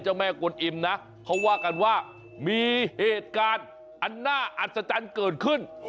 แม่กวนอิ่มนะเขาว่ากันว่ามีเหตุการณ์อันน่าอัศจรรย์เกิดขึ้น